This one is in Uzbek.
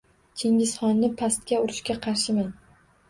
Chingizxonni pastga urishga qarshiman.